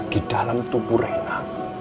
di dalam tubuh reina